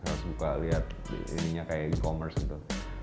harus buka liat ininya kayak e commerce gitu